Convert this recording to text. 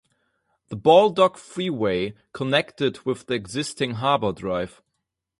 The Baldock Freeway connected with the existing Harbor Drive.